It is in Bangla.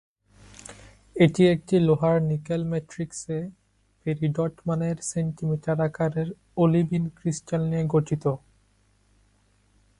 এটি একটি লোহার-নিকেল ম্যাট্রিক্সে পেরিডট মানের সেন্টিমিটার আকারের অলিভিন ক্রিস্টাল নিয়ে গঠিত।